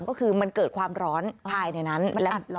ก็คือมันเกิดความร้อนภายในนั้นมันอัดเหรอ